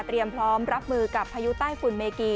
พร้อมรับมือกับพายุใต้ฝุ่นเมกี